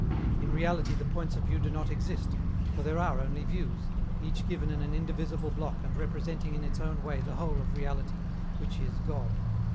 In reality the points of view do not exist, for there are only views, each given in an indivisible block and representing in its own way the whole of reality, which is God.